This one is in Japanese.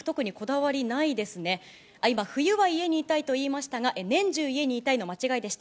あっ、今、冬は家にいたいと言いましたが、年中、家にいたいの間違いでした。